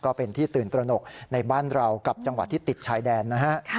ก็เป็นที่ตื่นตระหนกในบ้านเรากับจังหวัดที่ติดชายแดนนะฮะ